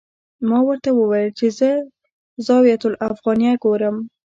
ما ورته وویل چې زه الزاویة الافغانیه ګورم.